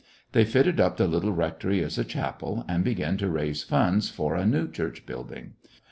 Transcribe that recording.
They fitted up the little rectory as a chapel, and began to raise funds for a new church building.